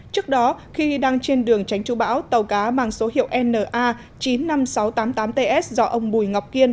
trước đó khi đang trên đường tránh chú bão tàu cá mang số hiệu na chín mươi năm nghìn sáu trăm tám mươi tám ts do ông bùi ngọc kiên